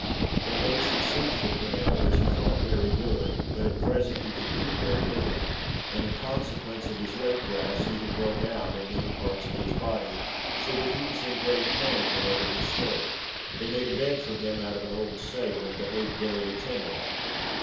They made some soup for Purnell, which he thought very good, but at present he could eat very little, and in consequence of his late draughts, he had broke out in many parts of his body, so that he was in great pain whenever he stirred. They made a bed for him out of an old sail, and behaved very attentive.